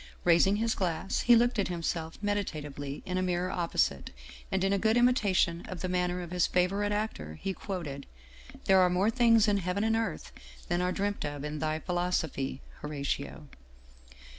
Raising his glass, he looked at himself meditatively in a mirror opposite, and, in a good imitation of the manner of his favorite actor, he quoted :" There are more things in heaven and earth than are dreamt of in thy philosophy, Horatio."